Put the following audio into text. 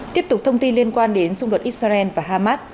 tiếp tục thông tin liên quan đến xung đột israel và hamas